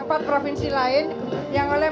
empat provinsi lain yang oleh